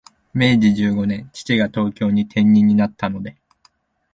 明治十五年、父が東京に転任になったので、